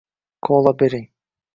- Kola bering.